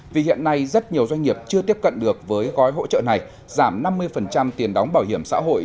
vì hiện nay rất nhiều doanh nghiệp chưa tiếp cận được với gói hỗ trợ này giảm năm mươi tiền đóng bảo hiểm xã hội